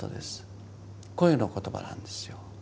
声の言葉なんですよ。